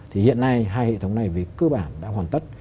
thì hiện nay hai hệ thống này về cơ bản đã hoàn tất